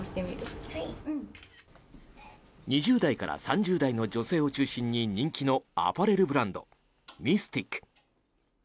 ２０代から３０代の女性を中心に人気のアパレルブランドｍｙｓｔｉｃ。